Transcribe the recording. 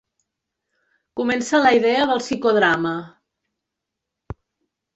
Comença la idea del psicodrama.